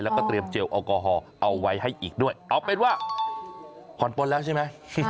แล้วก็เตรียมเจลแอลกอฮอล์เอาไว้ให้อีกด้วยเอาเป็นว่าผ่อนปนแล้วใช่ไหม